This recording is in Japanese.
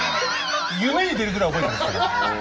夢に出るぐらい覚えてますからね。